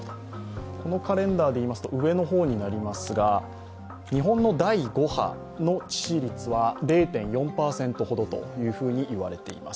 このカレンダーでいいますと上の方になりますが日本の第５波の致死率は０．４％ほどと言われています。